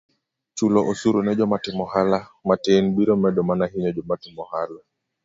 chulo osuru ne joma timo ohala matin biro medo mana hinyo joma timo ohala